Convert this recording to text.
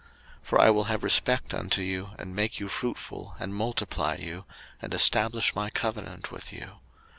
03:026:009 For I will have respect unto you, and make you fruitful, and multiply you, and establish my covenant with you.